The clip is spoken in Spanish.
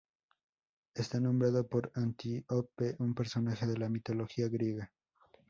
Está nombrado por Antíope, un personaje de la mitología griega.